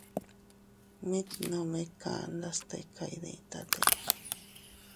Mit nome kandas tika iyditate.